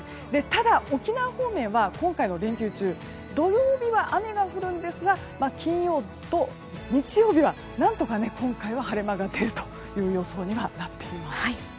ただ、沖縄方面は今回の連休中土曜日は雨が降りますが金曜と日曜は何とか晴れ間が出るという予想にはなっています。